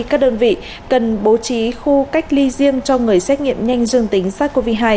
các đơn vị cần bố trí khu cách ly riêng cho người xét nghiệm nhanh dương tính sars cov hai